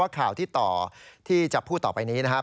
ข่าวที่ต่อที่จะพูดต่อไปนี้นะครับ